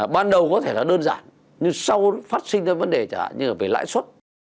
ban đầu có thể là đơn giản nhưng sau phát sinh ra vấn đề chẳng hạn như là về lãi suất